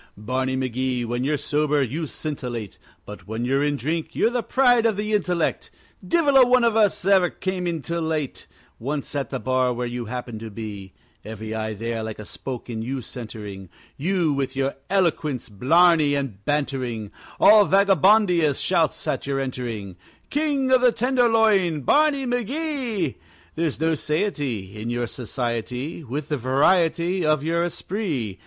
Barney McGee, when you're sober you scintillate, But when you're in drink you're the pride of the intellect; Divil a one of us ever came in till late, Once at the bar where you happened to be Every eye there like a spoke in you centering, You with your eloquence, blarney, and bantering All Vagabondia shouts at your entering, King of the Tenderloin, Barney McGee! There's no satiety In your society With the variety Of your esprit.